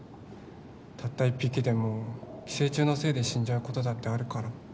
たった一匹でも寄生虫のせいで死んじゃうことだってあるから。